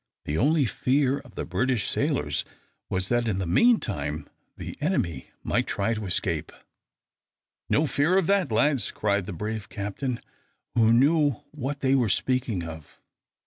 The only fear of the British sailors was that in the meantime the enemy might attempt to escape. "No fear of that, lads!" cried the brave captain, who knew what they were speaking of.